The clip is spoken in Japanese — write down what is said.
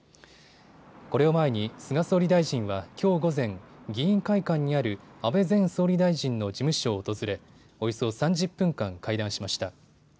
これを前に菅総理大臣はきょう午前、議員会館にある安倍前総理大臣の事務所を訪れおよそ３０分間、会談しました。